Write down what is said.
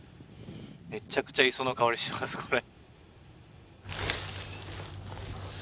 めっちゃくちゃ磯の香りしますこれ。